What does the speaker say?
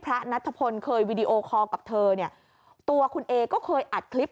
พระณัฐพลค่อยวีดีโอคอร์กับนี่ตัวคุณเอก็เคยอัดคลิป